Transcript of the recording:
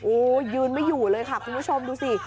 โอ้โหยืนไม่อยู่เลยค่ะคุณผู้ชมดูสิ